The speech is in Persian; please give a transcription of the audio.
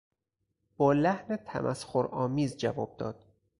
با لحن تمسخرآمیز جواب داد.